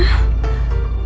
bukan anak roy